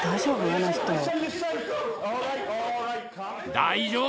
大丈夫。